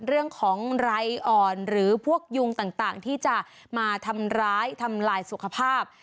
เรื่องของไรอ่อนหรือพวกยุงต่างที่จะมาทำร้ายทำลายสุขภาพ